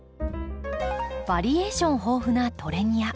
バリエーション豊富なトレニア。